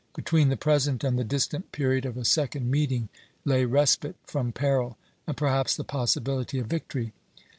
Between the present and the distant period of a second meeting lay respite from peril, and perhaps the possibility of victory.